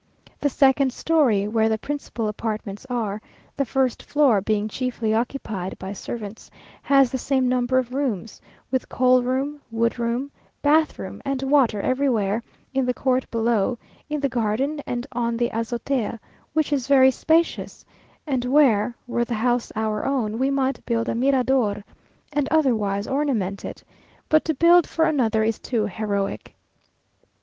The second storey where the principal apartments are, the first floor being chiefly occupied by servants, has the same number of rooms, with coal room, wood room, bath room, and water everywhere, in the court below, in the garden, and on the azotea, which is very spacious, and where, were the house our own, we might build a mirador, and otherwise ornament it; but to build for another is too heroic.